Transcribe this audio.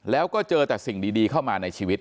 แล้วก็เจอแต่สิ่งดีเข้ามาในชีวิต